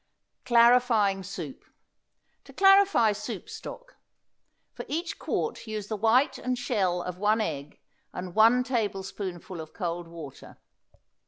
CLARIFYING SOUP. To clarify soup stock: For each quart use the white and shell of one egg and one tablespoonful of cold water.